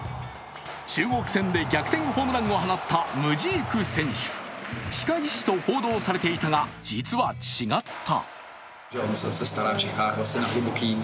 中国戦で逆転ホームランを放ったムジーク選手、歯科医師と報道されていたが、実は違った。